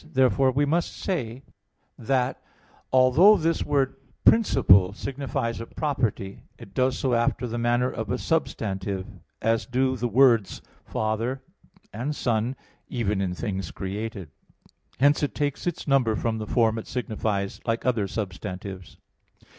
Therefore, we must say that, although this word "principle" signifies a property, it does so after the manner of a substantive, as do the words "father" and "son" even in things created. Hence it takes its number from the form it signifies, like other substantives.